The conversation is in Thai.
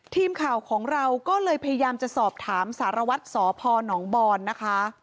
ทีมข่าวของเราก็เลยพยายามจะสอบถามสารวัตรสพหนองบอนนะคะ